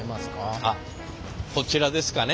こちらですかね。